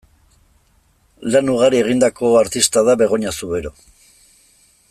Lan ugari egindako artista da Begoña Zubero.